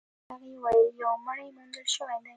هغې وويل يو مړی موندل شوی دی.